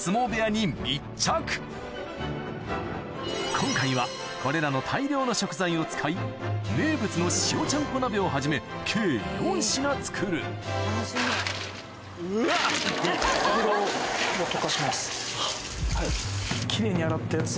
今回はこれらの大量の食材を使い名物の塩ちゃんこ鍋をはじめ計４品作るそれだと。